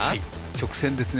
直線ですね。